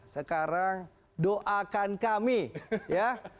sekarang doakan kami ya